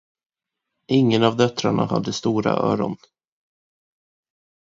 Ingen av döttrarna hade stora öron.